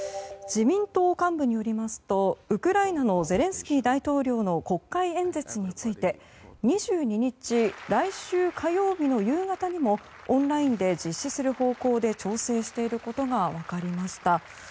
自民党幹部によりますとウクライナのゼレンスキー大統領の国会演説について２２日、来週火曜日の夕方にもオンラインで実施する方向で調整していることが分かりました。